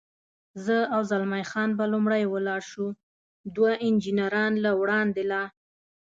زه او زلمی خان به لومړی ولاړ شو، دوه انجنیران له وړاندې لا.